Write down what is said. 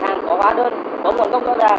là hàng có hóa đơn có nguồn công thông đảng